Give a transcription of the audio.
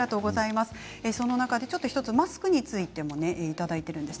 その中で１つマスクについてもいただいています。